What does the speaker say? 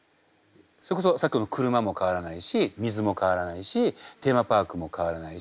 それこそさっきの車も変わらないし水も変わらないしテーマパークも変わらないし。